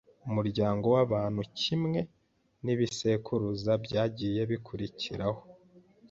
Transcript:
umuryango w’abantu kimwe n’ibisekuruza byagiye bikurikiraho,